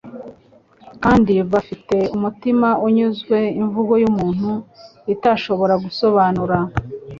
kandi bafite umutima unyuzwe imvugo y'umuntu itashobora gusobanura.